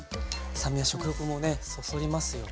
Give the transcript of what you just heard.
酸味は食欲もねそそりますよね。